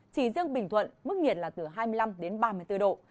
chỉ riêng bình thuận mức nhiệt là từ hai mươi năm đến ba mươi bốn độ